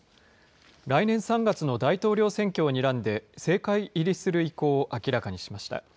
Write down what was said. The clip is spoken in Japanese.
来年３月の大統領選挙をにらんで、政界入りする意向を明らかにしました。